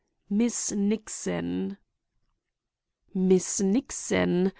"Miss Nixon." Miss Nixon!